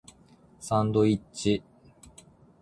サンドイッチ